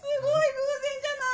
偶然じゃない！